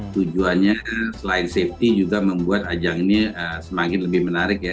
tujuannya selain safety juga membuat ajang ini semakin lebih menarik ya